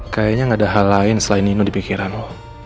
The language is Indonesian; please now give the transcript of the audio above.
kayaknya gak ada hal lain selain nino di pikiran